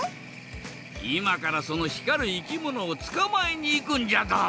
いまからその光るいきものをつかまえにいくんじゃドン。